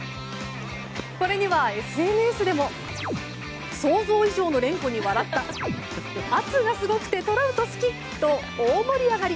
これにはＳＮＳでも想像以上の連呼に笑った圧がすごくてトラウト好きと大盛り上がり！